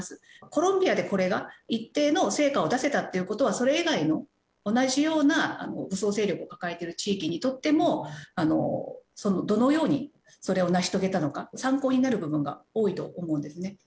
コロンビアでこれが一定の成果を出せたっていうことはそれ以外の同じような武装勢力を抱えている地域にとってもどのようにそれを成し遂げたのか参考になる部分が多いと思うんですね。